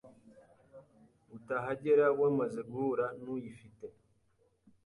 utahagera wamaze guhura n'uyifite